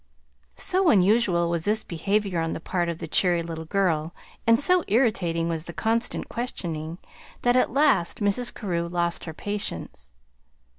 So unusual was this behavior on the part of the cheery little girl, and so irritating was the constant questioning, that at last Mrs. Carew lost her patience.